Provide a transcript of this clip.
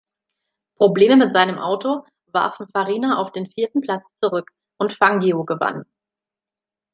Probleme mit seinem Auto warfen Farina auf den vierten Platz zurück und Fangio gewann.